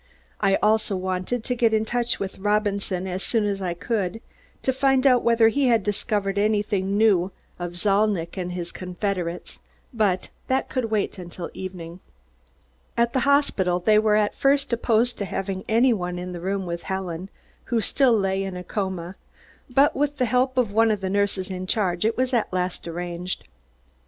I also wanted to get in touch with Robinson as soon as I could, to find out whether he had discovered anything new of Zalnitch and his confederates but that could wait until evening. At the hospital they were at first opposed to having any one in the room with Helen, who still lay in a coma, but with the help of one of the nurses in charge, it was at last arranged.